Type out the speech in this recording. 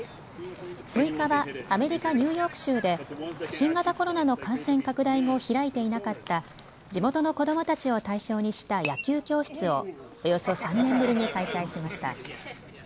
６日はアメリカ・ニューヨーク州で新型コロナの感染拡大後開いていなかった地元の子どもたちを対象にした野球教室をおよそ３年ぶりに開催しました。